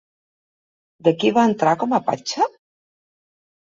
De qui va entrar com a patge?